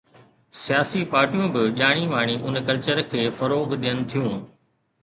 سياسي پارٽيون به ڄاڻي واڻي ان ڪلچر کي فروغ ڏين ٿيون.